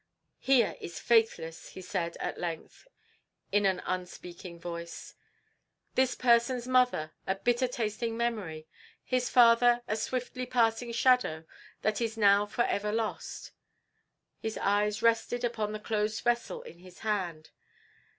"Hiya is faithless," he said at length in an unspeaking voice; "this person's mother a bitter tasting memory, his father a swiftly passing shadow that is now for ever lost." His eyes rested upon the closed vessel in his hand.